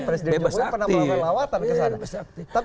presiden jokowi pernah melawatan ke sana